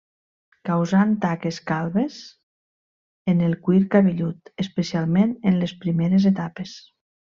Causant taques calbes en el cuir cabellut, especialment en les primeres etapes.